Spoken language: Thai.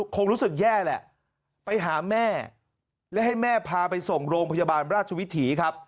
คงรู้สึกแย่แหละไปหาแม่และให้แม่พาไปส่งโรงพยาบาลราชวิถีครับ